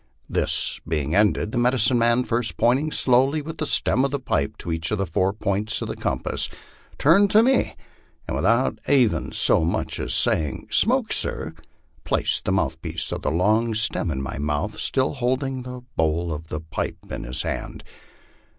This being ended, the medicine man, first pointing slowly with the stem of the pipe to each of the four points of the compass, turned to me, and without even so much as saying, " Smoke, sir?" placed the mouthpiece of the long stem in my mouth, still holding the bowl of the pipe in his hand.